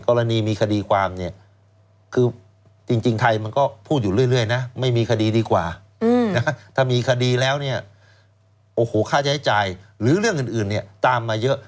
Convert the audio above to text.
กรณีมีคดีความเนี่ยคือจริงไทยมันก็พูดอยู่เรื่อยนะไม่มีคดีดีกว่าถ้ามีคดีแล้วเนี่ยโอ้โหค่าใช้จ่ายหรือเรื่องอื่นเนี่ยตามมาเยอะ